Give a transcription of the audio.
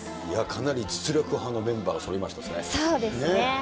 いや、かなり実力派のメンバそうですね。